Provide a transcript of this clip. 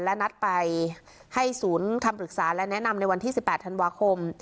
และนัดไปให้ศูนย์คำปรึกษาและแนะนำในวันที่๑๘ธันวาคม